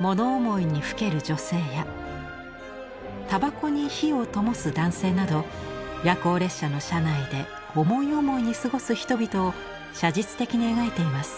物思いにふける女性やタバコに火をともす男性など夜行列車の車内で思い思いに過ごす人々を写実的に描いています。